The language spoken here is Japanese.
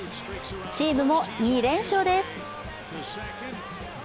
チームも２連勝です。